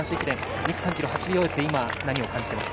２区３ｋｍを走り終えて何を感じていますか。